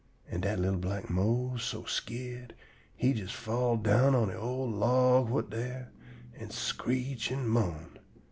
An' dat li'l black Mose so skeered he jes fall down on e' old log whut dar an' screech an' moan!